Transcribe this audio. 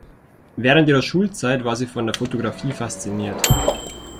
Während ihrer Schulzeit war sie von der Photographie fasziniert.